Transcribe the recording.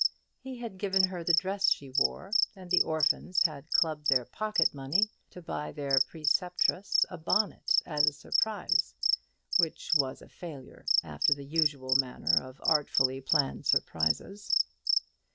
He had given her the dress she wore, and the orphans had clubbed their pocket money to buy their preceptress a bonnet as a surprise, which was a failure, after the usual manner of artfully planned surprises.